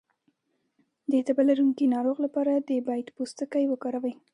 د تبه لرونکي ناروغ لپاره د بید پوستکی وکاروئ